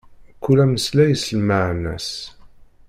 Kul ameslay s lmaɛna-s.